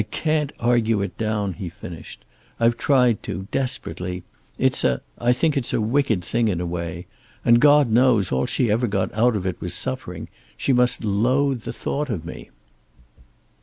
"I can't argue it down," he finished. "I've tried to, desperately. It's a I think it's a wicked thing, in a way. And God knows all she ever got out of it was suffering. She must loathe the thought of me."